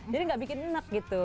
jadi gak bikin enak gitu